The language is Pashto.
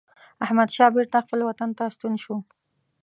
احمدشاه بیرته خپل وطن ته ستون شو.